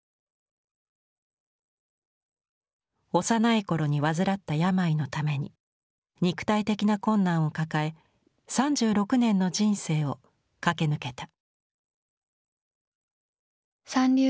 幼い頃に患った病のために肉体的な困難を抱え３６年の人生を駆け抜けた。